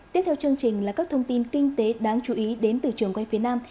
tiếp theo chương trình là các thông tin kinh tế đáng chú ý đến từ trường quay phía nam